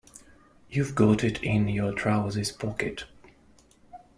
You've got it in your trousers pocket.